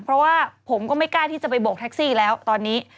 เพราะว่าผมก็ไม่กล้าที่จะไปโบกแท็กซี่แล้วตอนนี้